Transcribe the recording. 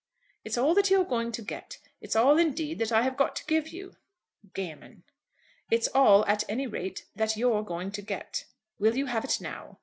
"It's all that you're going to get. It's all, indeed, that I have got to give you." "Gammon." "It's all, at any rate, that you're going to get. Will you have it now?"